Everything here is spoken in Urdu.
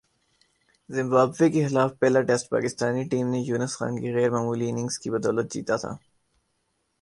زمبابوے کے خلاف پہلا ٹیسٹ پاکستانی ٹیم نے یونس خان کی غیر معمولی اننگز کی بدولت جیتا تھا